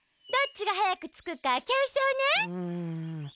どっちがはやくつくかきょうそうね！